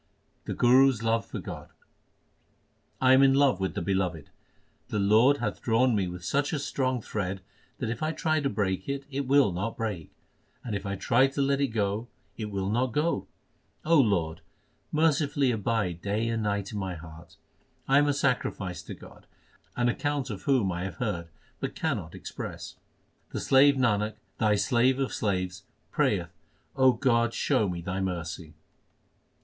The Guru s love for God : I am in love with the Beloved. The Lord hath drawn me with such a strong thread that if I try to break it, it will not break ; and if I try to let it go, it will not go. Lord, mercifully abide day and night in my heart. 1 am a sacrifice to God, an account of whom I have heard, but cannot express. The slave Nanak, Thy slave of slaves, prayeth O God, show me Thy mercy